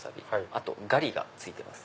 あとガリが付いてます。